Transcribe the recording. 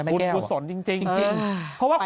บุญพูดสนจริงอ่าาาาไปโตไหมละเยี่ยมมาก